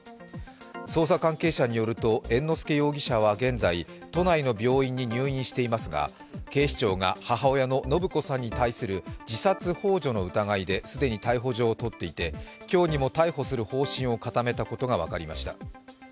捜査関係者によると、猿之助容疑者は現在、都内の病院に入院していますが警視庁が母親の延子さんに対する自殺ほう助の疑いで既に逮捕状を取っていて今日にも逮捕する方針を固めたことが分かりました。